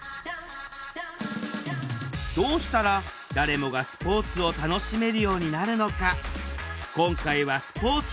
どうしたら誰もがスポーツを楽しめるようになるのか？